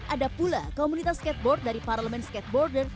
ada pula komunitas skateboard dari parlemen skateboarder